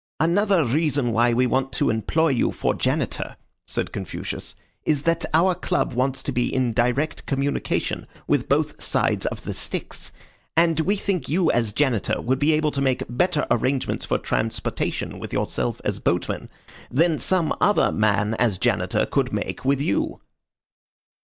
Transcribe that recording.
"Another reason why we want to employ you for Janitor," said Confucius, "is that our club wants to be in direct communication with both sides of the Styx; and we think you as Janitor would be able to make better arrangements for transportation with yourself as boatman, than some other man as Janitor could make with you."